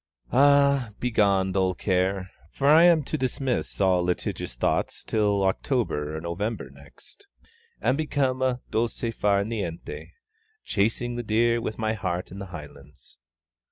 Now, begone dull care! for I am to dismiss all litigious thoughts till October or November next, and become a Dolce far niente, chasing the deer with my heart in the Highlands.